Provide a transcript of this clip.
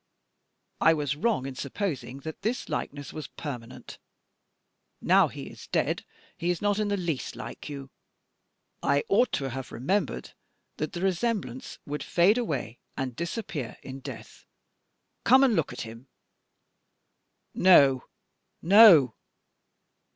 I was wrong in supposing that this likeness was permanent. Now he is dead, he is not in the least like you. I ought to have remembered that the resemblance would fade away and disappear in death. Come and look at him." "No, no."